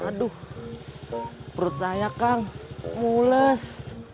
aduh perut saya kang mules